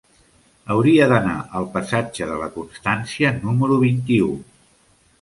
Hauria d'anar al passatge de la Constància número vint-i-u.